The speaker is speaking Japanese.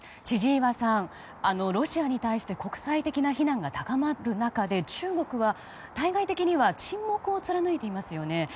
千々岩さん、ロシアに対して国際的な非難が高まる中で中国は対外的には沈黙を貫いていますよね。